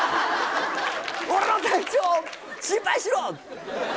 俺の体調、心配しろ。